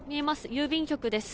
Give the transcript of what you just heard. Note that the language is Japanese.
郵便局です。